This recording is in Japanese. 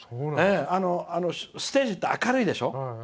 ステージって明るいでしょ。